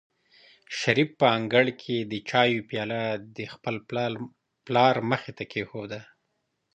شریف په انګړ کې د چایو پیاله د خپل پلار مخې ته کېښوده.